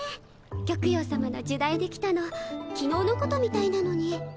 玉葉さまの入内で来たの昨日のことみたいなのに。